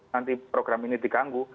nanti program ini dikanggu